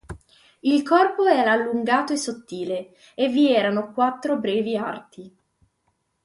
Il corpo era allungato e sottile, e vi erano quattro brevi arti.